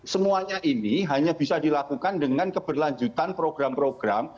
semuanya ini hanya bisa dilakukan dengan keberlanjutan program program